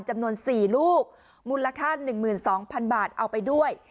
จำนวนสี่ลูกมูลค่าหนึ่งหมื่นสองพันบาทเอาไปด้วย